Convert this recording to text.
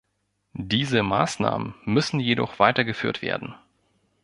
Diese Maßnahmen müssen jedoch weitergeführt werden.